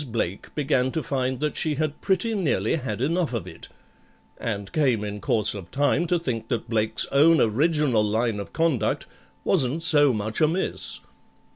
BLAKE began to find that she had pretty nearly had enough of it, And came, in course of time, to think that BLAKE'S own original line of conduct wasn't so much amiss.